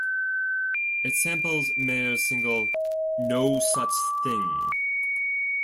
It samples Mayer's single, "No Such Thing".